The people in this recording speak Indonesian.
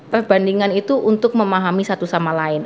perbandingan itu untuk memahami satu sama lain